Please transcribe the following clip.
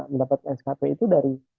mendapatkan skp itu dari